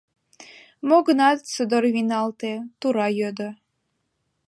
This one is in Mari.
Мо-гынат, содор вийналте, тура йодо: